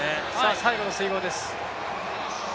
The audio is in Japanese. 最後の水濠です。